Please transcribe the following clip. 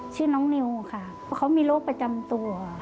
ชื่อน้องนิวค่ะเพราะเขามีโรคประจำตัว